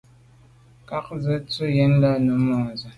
Nə̀ cà gə tɔ́k á bû nə̀ lɛ̌n yù môndzə̀.